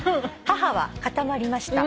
母は固まりました」